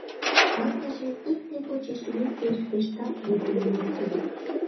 Ындыже икте почеш весе шкештат йӱкым луктыт.